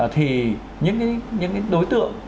thì những đối tượng